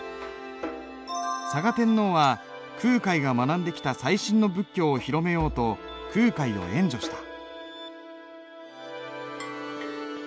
嵯峨天皇は空海が学んできた最新の仏教を広めようと空海を援助した。